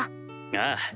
ああ。